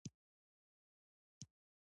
هلک ووې محبوبې ماته یې ګرانه.